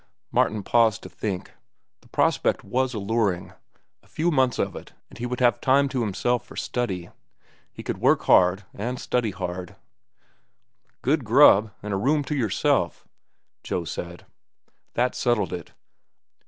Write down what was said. Martin paused to think. The prospect was alluring. A few months of it, and he would have time to himself for study. He could work hard and study hard. "Good grub an' a room to yourself," Joe said. That settled it.